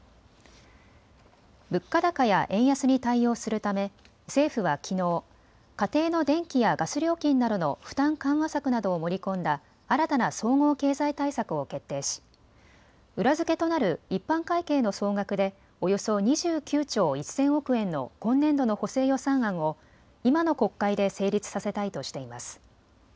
物価高や円安に対応するため政府はきのう、家庭の電気やガス料金などの負担緩和策などを盛り込んだ新たな総合経済対策を決定し裏付けとなる一般会計の総額でおよそ２９兆１０００億円の今年度の補正予算案を今の国会で成立させたいとしています。